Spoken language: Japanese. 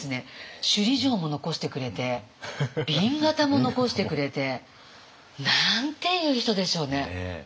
首里城も残してくれて紅型も残してくれて。なんていう人でしょうね。